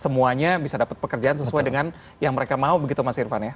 semuanya bisa dapat pekerjaan sesuai dengan yang mereka mau begitu mas irfan ya